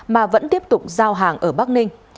mà vẫn tiếp tục giao hàng ở bắc ninh